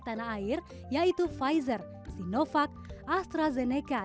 tanah air yaitu pfizer sinovac astrazeneca